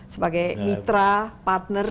sebagai mitra partner